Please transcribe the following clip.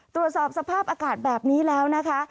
ตรวจสอบสภาพอากาศแบบนี้แล้วนะคะ